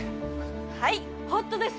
はいホットです